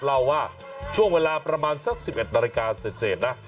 เล่าว่าช่วงเวลาประมาณสัก๑๑นาฬิกาเสร็จนะ